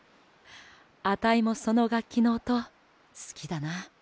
あたいもそのがっきのおとすきだな。